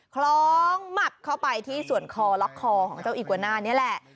คล้องหมับเข้าไปที่ส่วนคอล็อกคอของเจ้าอีกวาน่านี่แหละ